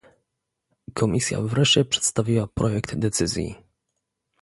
Komisja wreszcie przedstawiła projekt decyzji